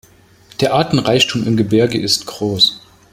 Der Artenreichtum im Gebirge ist groß.